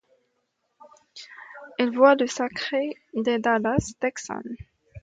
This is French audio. Elle voit le sacre des Dallas Texans.